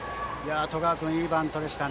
十川君、いいバントでした。